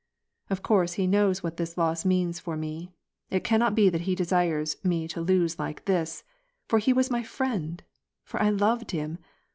'' Of course he knows what this loss means for me. It can not be that he desires me to lose like this. F6r he was mj friend. For I loved him.